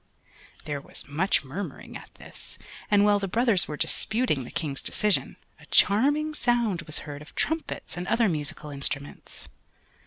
There was much murmuring at this, and while the brothers were disputing the King's decision, a charming sound was heard of trumpets and other musical instruments.